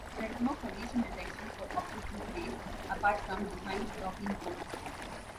There is no collision detection for objects in space, apart from defined docking ports.